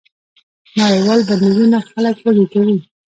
نړیوال بندیزونه خلک وږي کوي.